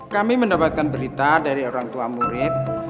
kami mendapatkan berita dari orang tua murid